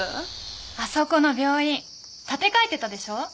あそこの病院建て替えてたでしょう？